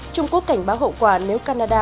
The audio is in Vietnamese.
trung quốc cảnh báo hậu quả nếu canada